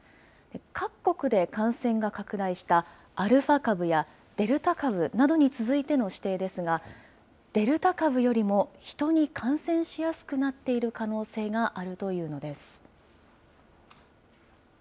各国で感染が拡大したアルファ株やデルタ株などに続いての指定ですが、デルタ株よりも人に感染しやすくなっている可能性があるというのです。